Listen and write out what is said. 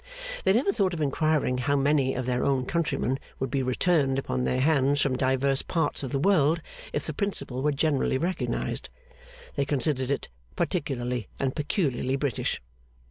They never thought of inquiring how many of their own countrymen would be returned upon their hands from divers parts of the world, if the principle were generally recognised; they considered it particularly and peculiarly British.